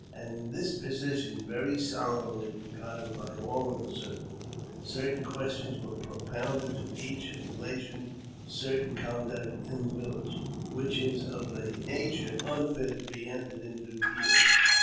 In this position, very solemnly regarded by all in the circle, certain questions were propounded to each in relation to certain conduct in the village, which is of a nature unfit to be entered into here.